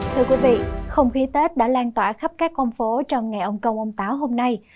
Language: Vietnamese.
thưa quý vị không khí tết đã lan tỏa khắp các con phố trong ngày ông công ông táo hôm nay